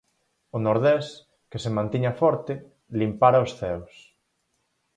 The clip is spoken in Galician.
O nordés, que se mantiña forte, limpara os ceos.